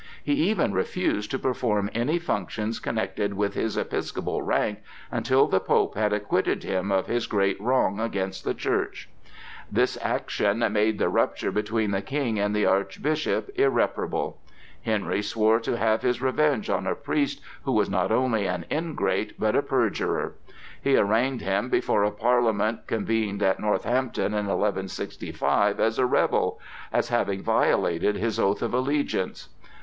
He even refused to perform any functions connected with his episcopal rank until the Pope had acquitted him of his great wrong against the Church. This action made the rupture between the King and the Archbishop irreparable. Henry swore to have his revenge on a priest who was not only an ingrate but a perjurer. He arraigned him before a parliament convened at Northampton in 1165 as a rebel, as having violated his oath of allegiance.